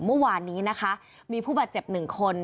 เมื่อวานนี้นะคะมีผู้บาดเจ็บหนึ่งคน